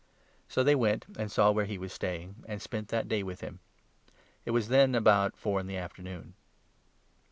39 So they went, and saw where he was staying, and spent that day with him. It was then about four in the after noon.